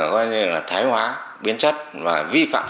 coi như là thái hóa biến chất và vi phạm